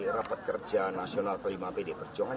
rapat kerja nasional ke lima pd perjuangan